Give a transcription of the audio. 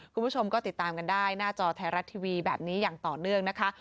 คุณผู้ชมก็ติดตามกันได้หน้าจอไทยรัฐทีวีแบบนี้อย่างต่อเนื่องนะคะ